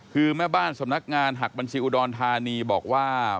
คือแม่บ้านสำนักงานหักบัญชีอุดรธานีบอกว่า